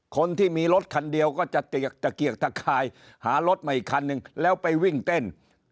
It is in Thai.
คนที่มีรถคันเดียวก็จะเปียกตะเกียกตะคายหารถมาอีกคันนึงแล้วไปวิ่งเต้น